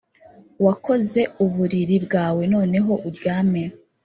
wakoze uburiri bwawe, noneho uryame.